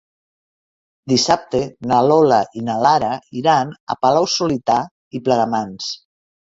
Dissabte na Lola i na Lara iran a Palau-solità i Plegamans.